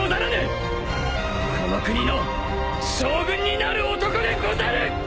この国の将軍になる男でござる！